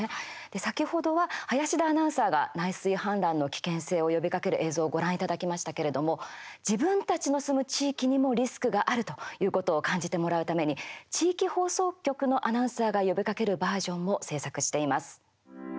先ほどは、林田アナウンサーが内水氾濫の危険性を呼びかける映像をご覧いただきましたけれど自分たちの住む地域にもリスクがあるということを感じてもらうために地域放送局のアナウンサーが呼びかけるバージョンも制作しています。